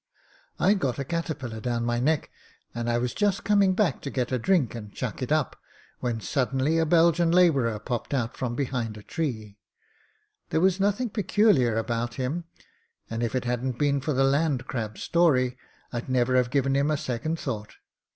I'd got a caterpillar down my neck, and I was just coming back to get a drink and chuck it 42 MEN, WOMEN AND GUNS up, when suddenly a Belgian labourer popped out from behind a tree. There was nothing peculiar about liim, and if it hadn't been for the Land Crab's story I'd never have given him a second thought.